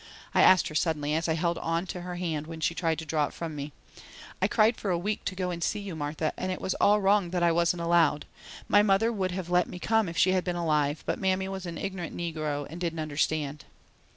I asked her suddenly as I held on to her hand when she tried to draw it from me. "I cried for a week to go and see you, Martha, and it was all wrong that I wasn't allowed. My mother would have let me come if she had been alive, but Mammy was an ignorant negro and didn't understand."